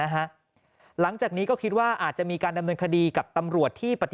หลังจากนี้ก็คิดว่าอาจจะมีการดำเนินคดีกับตำรวจที่ปฏิ